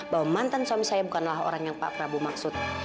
bahwa mantan suami saya bukanlah orang yang pak prabowo maksud